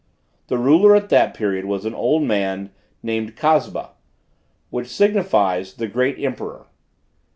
The ruler at that period was an old man, named Casba, which signifies, the great emperor.